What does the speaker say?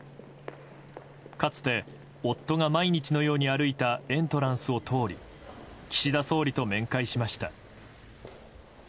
かつて、夫が毎日のように歩いたエントランスを通り岸田総理と面会しました。